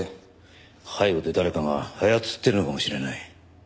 背後で誰かが操ってるのかもしれない。